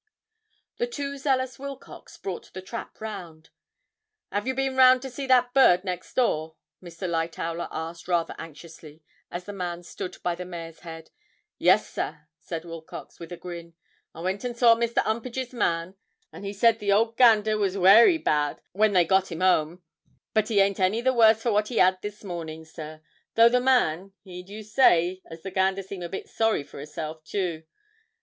The too zealous Wilcox brought the trap round. ''Ave you been round to see about that bird next door?' Mr. Lightowler asked rather anxiously, as the man stood by the mare's head. 'Yessir,' said Wilcox, with a grin; 'I went and saw Mr. 'Umpage's man, and he say the old gander was werry bad when they got 'im 'ome, but he ain't any the worse for what he 'ad this mornin', sir; though the man, he dew say as the gander seem a bit sorry for 'isself tew.